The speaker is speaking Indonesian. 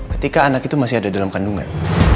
ketika anak itu masih ada dalam kandungan